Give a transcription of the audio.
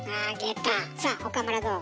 さあ岡村どう？